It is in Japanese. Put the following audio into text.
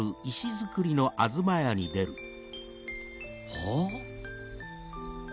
はぁ？